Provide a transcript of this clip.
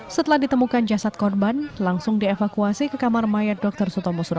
setelah ditemukan jasad korban langsung dievakuasi ke kamar mayat dr sutomo surabaya